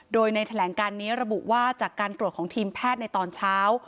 โดยในแถลงการนี้ระบุว่าจากการตรวจของทีมแพทย์ในตอนเช้า